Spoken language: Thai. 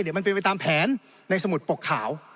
มันเป็นไปตามแผนในสมุดปกขาว